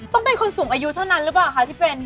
ต้องเป็นคนสูงอายุเท่านั้นหรือเปล่าคะที่เป็น